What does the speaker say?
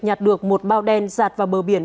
nhặt được một bao đen giặt vào bờ biển